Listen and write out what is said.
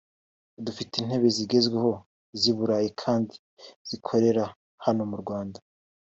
“Dufite intebe zigezweho z’i Burayi kandi tuzikorera hano mu Rwanda”